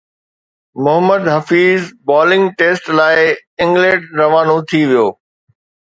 Muhammad Hafeez bowling test لاءِ England روانو ٿي ويو